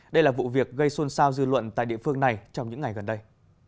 đây là vụ việc gây xuân sao dư luận tại địa phương này trong những ngày gần đây